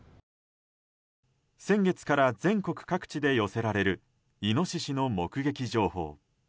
先月から全国各地で寄せられるイノシシの目撃情報。